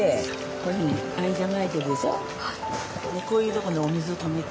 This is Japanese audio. こういうとこのお水を止めて。